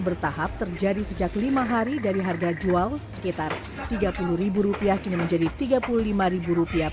bertahap terjadi sejak lima hari dari harga jual sekitar tiga puluh rupiah kini menjadi tiga puluh lima rupiah